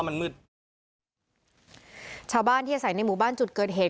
มันมืดชาวบ้านที่อาศัยในหมู่บ้านจุดเกิดเหตุ